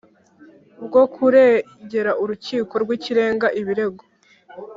bwo kuregera Urukiko rw Ikirenga ibirego